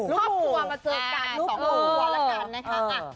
ครอบครัวมาเจอกัน